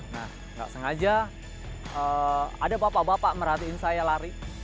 nah nggak sengaja ada bapak bapak merhatiin saya lari